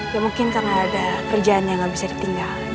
ya mungkin karena ada kerjaannya nggak bisa ditinggal